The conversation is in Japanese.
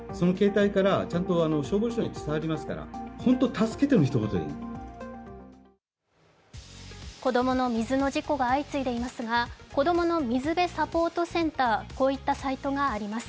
溺れている人を見つけた場合には子供の水の事故が相次いでいますが、「子どもの水辺サポートセンター」といったサイトがあります。